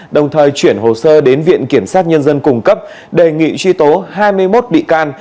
đồng thời chuyển hồ sơ đến viện kiểm sát nhân dân cung cấp đề nghị truy tố hai mươi một bị can